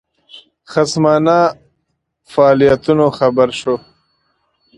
خصمانه فعالیتونو خبر شو.